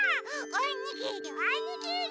おにぎりおにぎり！